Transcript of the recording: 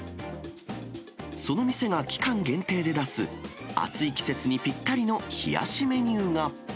その店が期間限定で出す、暑い季節にぴったりの冷やしメニューが。